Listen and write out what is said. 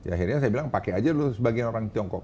akhirnya saya bilang pakai aja dulu sebagian orang tiongkok